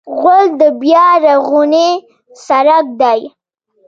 غول د بیا رغونې څرک دی.